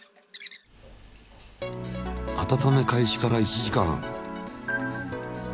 あたため開始から１時間。